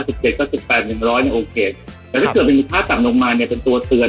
แต่ถ้าเกิดเป็นอย่างภาพสำลองมาเป็นตัวเตือน